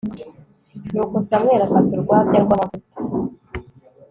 nuko samweli afata urwabya rw'amavuta